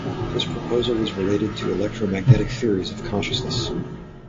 This proposal is related to electromagnetic theories of consciousness.